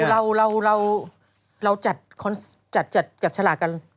อยากจะซื้อนี่ค่ะเราจัดจัดชะหลากัน